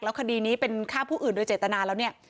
คดีนี้เป็นฆ่าผู้อื่นโดยเจตนาแล้วเนี่ย